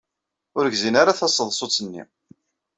Ur gzin ara taseḍsut-nni.